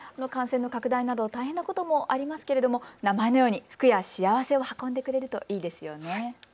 感染の拡大など大変なこともありますが名前のように福や幸せを運んでくれるといいですね。